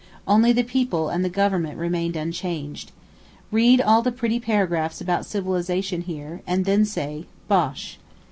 Only the people and the Government remain unchanged. Read all the pretty paragraphs about civilisation here, and then say, Bosh!